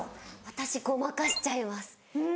私ごまかしちゃいます。